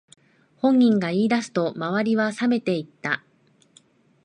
本人が言い出すと周りはさめていった